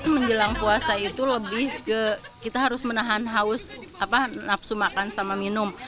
menjelang puasa itu lebih ke kita harus menahan haus nafsu makan sama minum